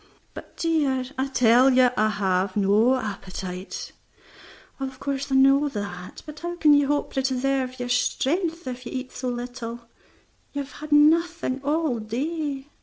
"But, dear " "I tell you I have no appetite." "Of course I know that; but how can you hope to preserve your strength if you eat so little? You have had nothing all day."